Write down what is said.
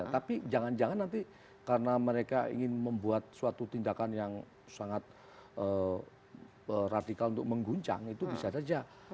tapi jangan jangan nanti karena mereka ingin membuat suatu tindakan yang sangat radikal untuk mengguncang itu bisa saja